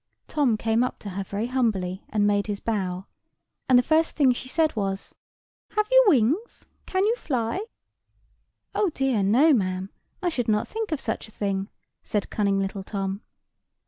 Tom came up to her very humbly, and made his bow; and the first thing she said was— "Have you wings? Can you fly?" "Oh dear, no, ma'am; I should not think of such thing," said cunning little Tom.